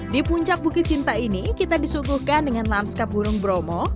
di puncak bukit cinta ini kita disuguhkan dengan lanskap gunung bromo